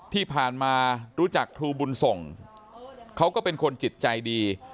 ที่ผ่านมารู้จักครูบุญส่งเขาก็เป็นคนจิตใจดี